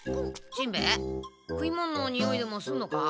しんべヱ食いもんのにおいでもすんのか？